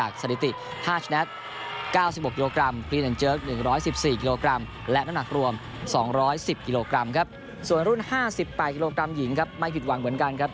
ส่วนรุ่น๕๘กิโลกรัมหญิงครับไม่ผิดหวังเหมือนกันครับ